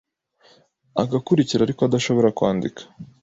agakurikira ariko adashobora kwandika